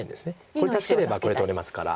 これ助ければこれ取れますから。